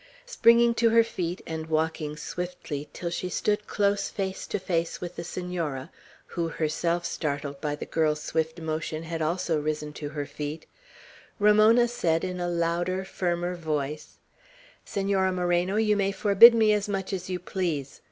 Springing to her feet, and walking swiftly till she stood close face to face with the Senora, who, herself startled by the girl's swift motion, had also risen to her feet, Ramona said, in a louder, firmer voice: "Senora Moreno, you may forbid me as much as you please.